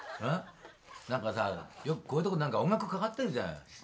何かさよくこういうとこで音楽かかってるじゃない。